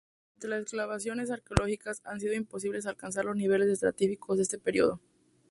Durante las excavaciones arqueológicas ha sido imposible alcanzar los niveles estratigráficos de este periodo.